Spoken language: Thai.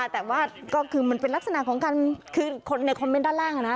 แต่ว่าก็คือมันเป็นลักษณะของการคือคนในคอมเมนต์ด้านล่าง